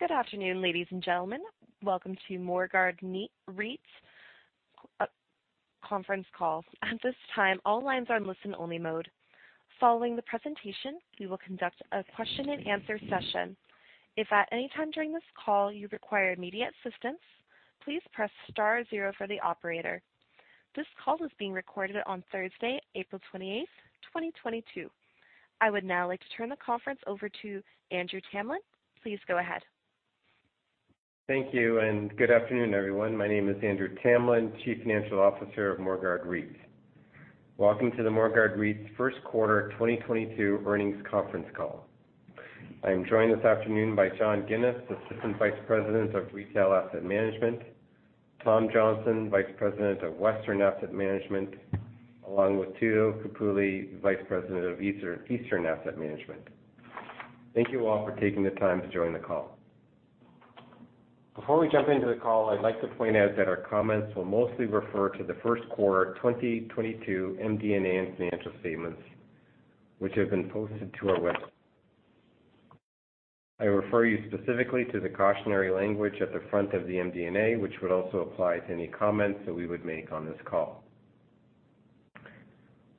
Good afternoon, ladies and gentlemen. Welcome to Morguard REIT conference call. At this time, all lines are in listen-only mode. Following the presentation, we will conduct a question-and-answer session. If at any time during this call you require immediate assistance, please press star zero for the operator. This call is being recorded on Thursday, April 28th, 2022. I would now like to turn the conference over to Andrew Tamlin. Please go ahead. Thank you, and good afternoon, everyone. My name is Andrew Tamlin, Chief Financial Officer of Morguard REIT. Welcome to the Morguard REIT first quarter 2022 earnings conference call. I am joined this afternoon by John Ginis, Assistant Vice President of Retail Asset Management, Tom Johnston, Vice President of Western Asset Management, along with Tullio Capulli, Vice President of Eastern Asset Management. Thank you all for taking the time to join the call. Before we jump into the call, I'd like to point out that our comments will mostly refer to the first quarter 2022 MD&A and financial statements, which have been posted to our website. I refer you specifically to the cautionary language at the front of the MD&A, which would also apply to any comments that we would make on this call.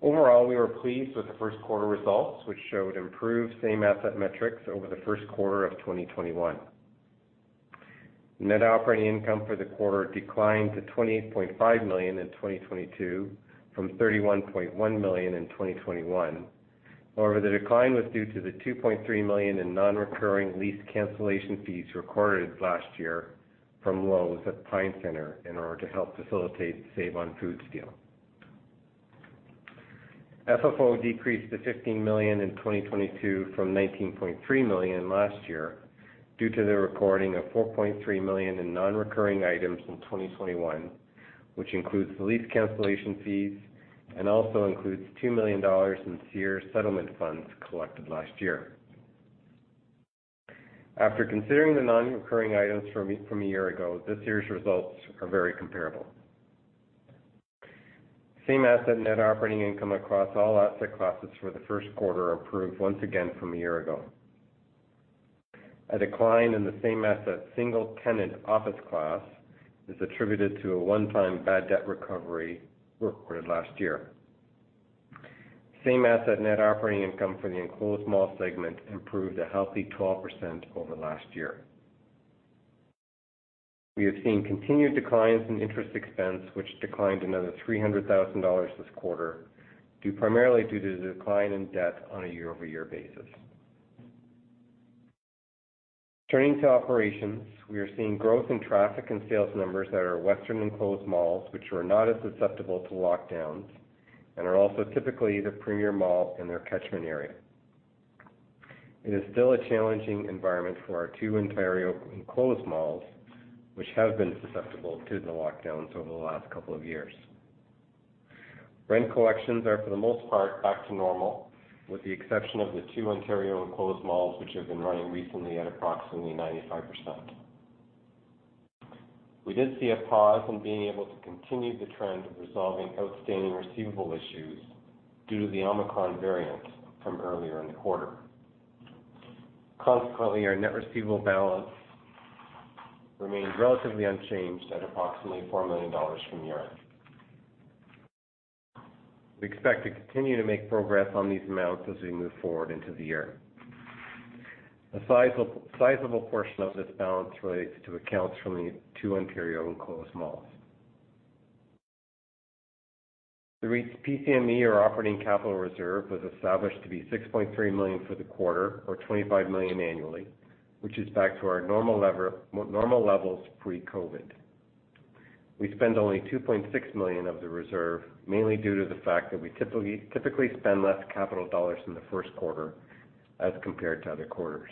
Overall, we were pleased with the first quarter results, which showed improved same asset metrics over the first quarter of 2021. Net operating income for the quarter declined to 28.5 million in 2022 from 31.1 million in 2021. However, the decline was due to the 2.3 million in non-recurring lease cancellation fees recorded last year from Lowe's at Pine Centre in order to help facilitate the Save-On-Foods deal. FFO decreased to 15 million in 2022 from 19.3 million last year due to the recording of 4.3 million in non-recurring items in 2021, which includes the lease cancellation fees and also includes 2 million dollars in Sears settlement funds collected last year. After considering the non-recurring items from a year ago, this year's results are very comparable. Same asset net operating income across all asset classes for the first quarter improved once again from a year ago. A decline in the same asset single-tenant office class is attributed to a one-time bad debt recovery recorded last year. Same asset net operating income for the enclosed mall segment improved a healthy 12% over last year. We have seen continued declines in interest expense, which declined another 300,000 dollars this quarter, due primarily to the decline in debt on a year-over-year basis. Turning to operations, we are seeing growth in traffic and sales numbers in our Western enclosed malls, which are not as susceptible to lockdowns and are also typically the premier mall in their catchment area. It is still a challenging environment for our two Ontario enclosed malls, which have been susceptible to the lockdowns over the last couple of years. Rent collections are, for the most part, back to normal, with the exception of the two Ontario enclosed malls, which have been running recently at approximately 95%. We did see a pause in being able to continue the trend of resolving outstanding receivable issues due to the Omicron variant from earlier in the quarter. Consequently, our net receivable balance remained relatively unchanged at approximately 4 million dollars from year-end. We expect to continue to make progress on these amounts as we move forward into the year. A sizable portion of this balance relates to accounts from the two Ontario enclosed malls. The REIT's PCME or operating capital reserve was established to be 6.3 million for the quarter or 25 million annually, which is back to our normal levels pre-COVID. We spend only 2.6 million of the reserve, mainly due to the fact that we typically spend less capital dollars in the first quarter as compared to other quarters.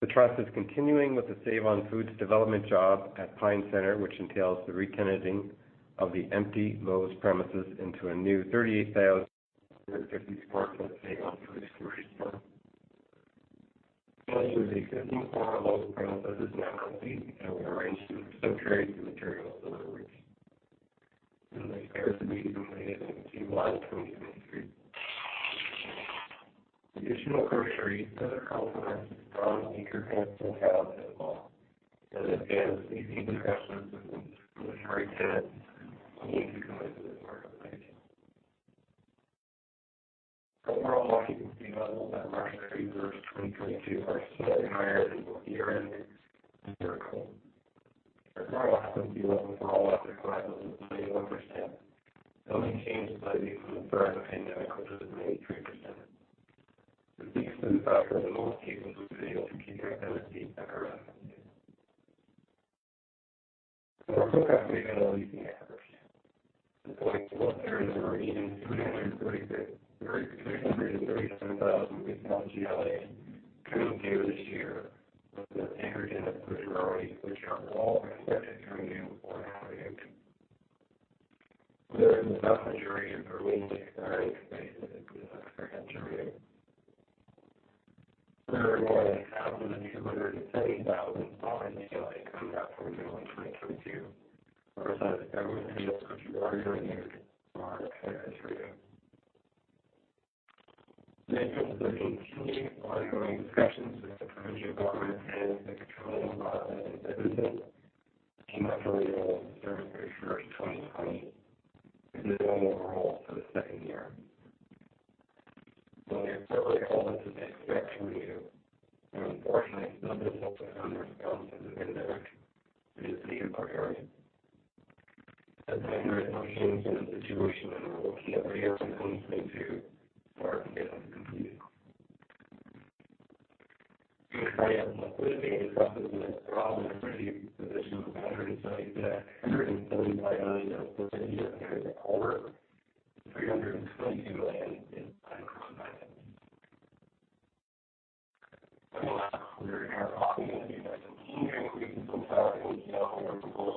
The trust is continuing with the Save-On-Foods development job at Pine Centre, which entails the retenanting of the empty Lowe's premises into a new 38,050-sq-ft Save-On-Foods grocery store. There's a former Lowe's premises in Alberta, and we arranged to sublet the premises and they expect to be completed in July 2023. Additional groceries that are complements from anchor tenants in the mall. As it is, these discussions with the grocery tenants seem to come into this marketplace. Overall occupancy levels at March 31st, 2022 are slightly higher than both year-end and the year before. Our current occupancy level for all asset classes is 21%. The only change slightly from the pre-pandemic, which was at 23%. The grocery anchor is the most capable of being able to keep their tenants safe and current. Our forecast at least the average. The 40 areas representing 236,000-367,000 retail GLA coming through this year with the anchor tenants as priority, which are all expected to renew or expand. There is about a majority of our lease-up and expansion spaces that are for rent today. There are more than 1,230,000 office GLA coming up for renewal in 2022. Okay, ladies and gentlemen, this is the last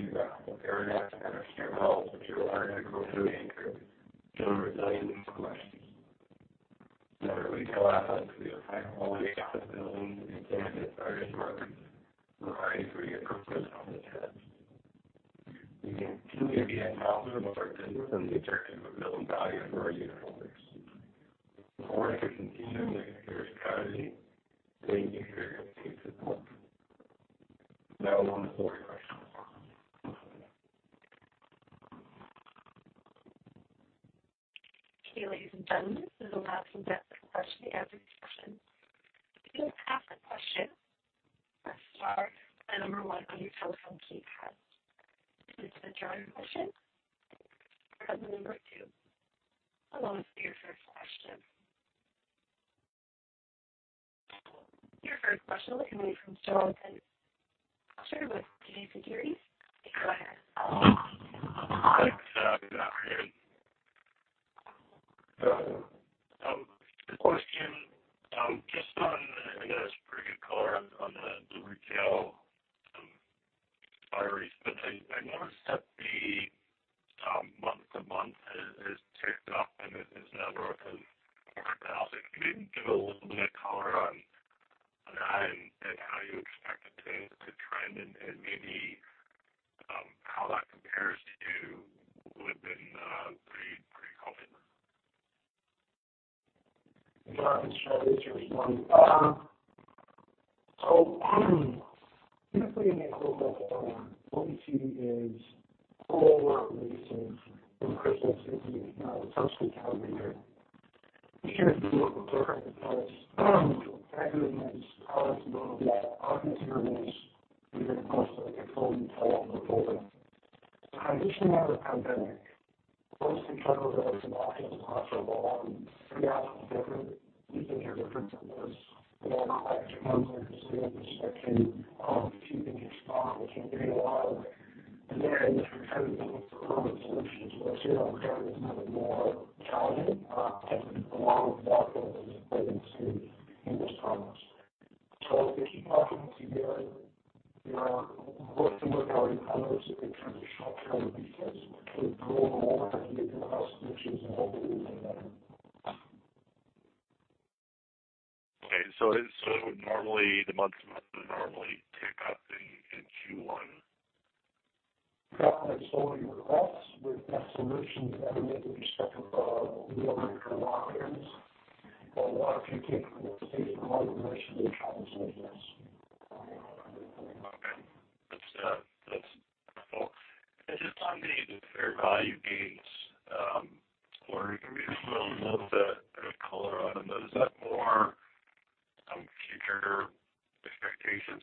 in-depth question we have in this session. If you have a question, press star then number one on your telephone keypad. If it's a driver question, press the number two. I'll go with your first question. Your first question will be coming from Jonathan Kelcher with TD Securities. Go ahead. Thanks. Good afternoon. Question, just on, I know it's pretty color on the retail IRs, but I noticed that the month-to-month has ticked up and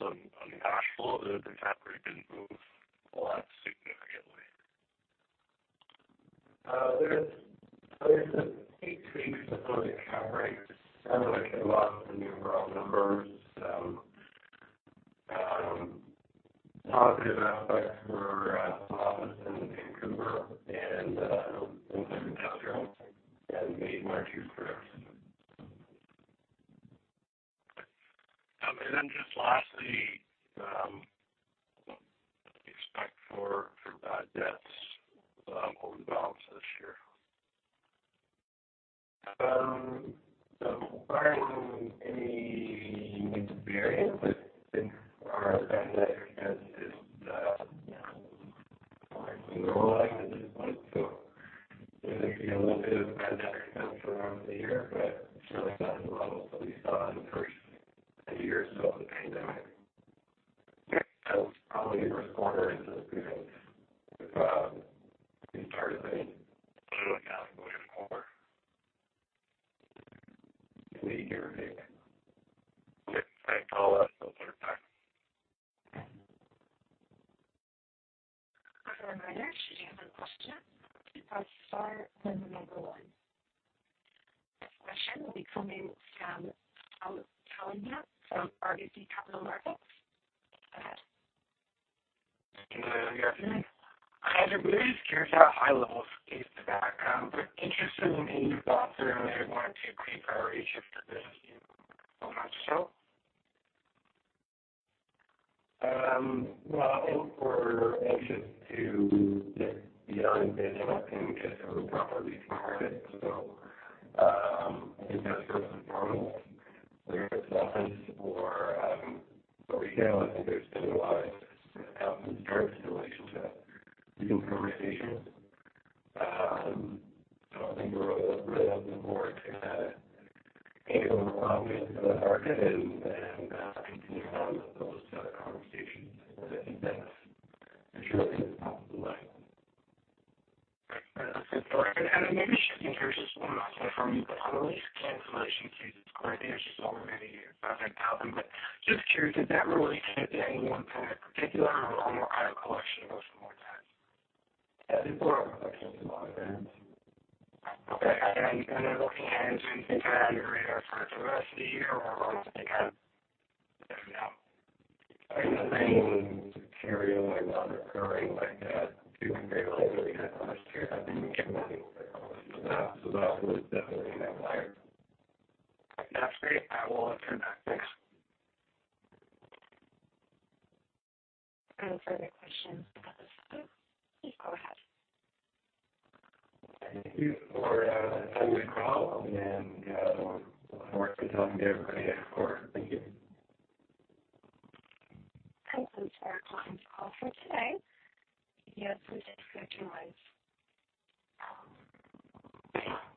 on cash flow that the cap rate didn't move a lot significantly? There's a few tweaks to some of the cap rates. Sounds like a lot of the new overall numbers. Positive aspects for office in Vancouver and in Southern Alberta and made marked improvements. Okay. Just lastly, what do you expect for bad debts over the balance this year? We're not seeing any unique variance. I think our pandemic debt is, you know, more or less normal at this point. There may be a little bit of pandemic debt throughout the year, but certainly not at the levels that we saw in the first eight years of the pandemic. Q2 economy quarter. Can you hear me? Okay. Thanks a lot. I'll put it back. Okay. As a reminder, should you have a question, press star then the number one. Next question will be coming from Carlo Calandra from RBC Capital Markets. Go ahead. Good afternoon. I was really curious how high levels case in the background. Interested in any thoughts around anyone to pre-priority shift to this, in that so? Well, if we're anxious to get beyond pandemic and get to a properly recovered. I think that's been phenomenal. Whether it's office or retail, I think there's been a lot of helpful starts to relationships and conversations. I think we're looking forward to kinda getting a little confidence in the market and continuing on with those kind of conversations. I think that's. I'm sure things pop up. Great. That's it. Maybe shifting gears just one last one from you. On the lease cancellation fees, it's quite interesting to see over many years, CAD 500,000. Just curious, is that related to any one tenant in particular or a more itemized collection of some more tenants? I think it's more a collection of a lot of tenants. Okay. Looking ahead, do you think that rates are for the rest of the year or do you think that they even out? I think the same carryover was occurring, like, two and three years ago we had last year that we kept running all this stuff. That was definitely in that layer. Absolutely. I will turn back. Thanks. No further questions at this time. Please go ahead. Thank you for attending the call and we'll look forward to talking to everybody again soon. Thank you. That concludes our client call for today. You may disconnect your lines.